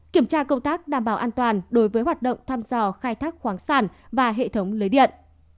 kiểm tra công tác đảm bảo an toàn đối với hoạt động thăm dò khai thác khoáng sản và hệ thống lưới điện